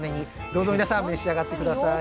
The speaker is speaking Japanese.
どうぞ皆さん召し上がって下さい。